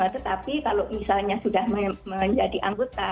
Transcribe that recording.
tetapi kalau misalnya sudah menjadi anggota